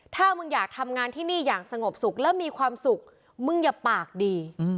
ถ้ามึงอยากทำงานที่นี่อย่างสงบสุขแล้วมีความสุขมึงอย่าปากดี